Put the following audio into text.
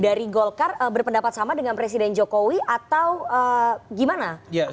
dari golkar berpendapat sama dengan presiden jokowi atau gimana